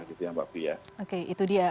oke itu dia